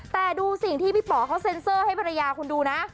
แต่ดูสิ่งที่พี่ป๋อเขาเซ็นเซอร์ให้ภรรยาคุณดูนะ